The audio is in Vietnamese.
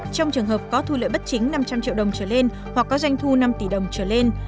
trong trường hợp có thu lợi bất chính năm trăm linh triệu đồng trở lên hoặc có doanh thu năm tỷ đồng trở lên